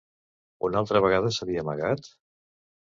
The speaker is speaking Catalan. Una altra vegada s'havia amagat?